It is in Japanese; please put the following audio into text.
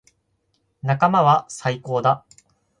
仲間は最高だ。